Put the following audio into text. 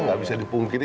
gak bisa dipungkiri